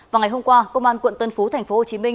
và ngày hôm qua công an tp tp hồ chí minh